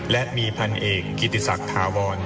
และมีพันเอกกิติศักดิ์ถาวร